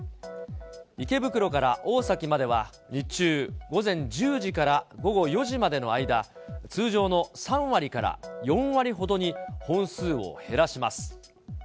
池袋から大崎までは、日中、午前１０時から午後４時までの間、通常の３割から４割ほどに本数を減らします。